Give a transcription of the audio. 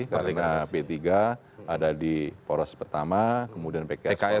karena p tiga ada di poros pertama kemudian pks ada di poros kedua